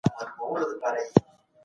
د ملي توليداتو د زياتوالي لپاره هڅي وکړئ.